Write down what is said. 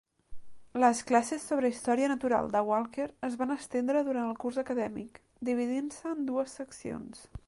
Les classes sobre història natural de Walker es van estendre durant el curs acadèmic, dividint-se en dues seccions.